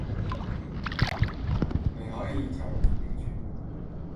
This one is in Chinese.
每行一条语句